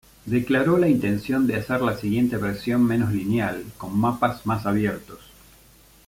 Declaró la intención de hacer la siguiente versión menos lineal, con mapas más abiertos.